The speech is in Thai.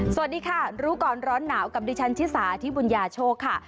สวัสดีค่ะรู้ก่อนร้อนหนาวกับดิฉันชิสาที่บุญญาโชคค่ะ